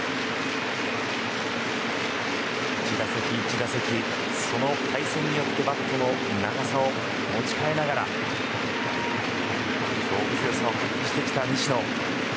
１打席１打席、その対戦によってバットの長さを持ち替えながら勝負強さを発揮してきた西野。